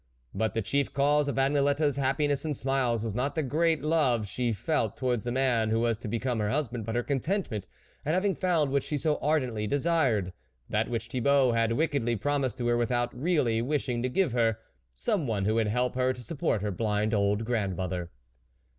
But the chief cause of Agnelette's hap piness and smiles was not the great love she felt towards the man who was to be come her husband, but her contentment at having found what she so ardently de sired, that which Thibault had wickedly promised to her without really wishing to give her, someone who would help her to support her blind old grandmother.